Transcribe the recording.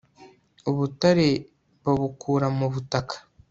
ubutare babukura mu butaka